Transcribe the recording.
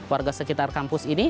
warga sekitar kampus ini